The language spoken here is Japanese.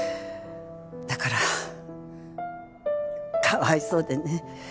だからかわいそうでね。